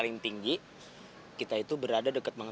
laginame pengen empat puluh lima waktu nel marriage